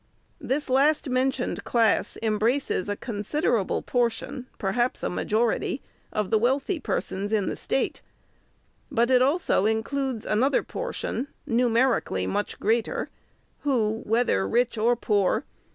This last mentioned class embraces a consid erable portion, perhaps a majority, of the wealthy persons in the State ; but it also includes another portion, numerically much greater, who, whether rich or poor, FIRST ANNUAL REPORT.